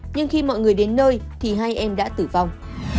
nhưng khi mọi người đến nơi thì hai em đã tử vong